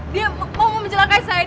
dia mau menjelakai saya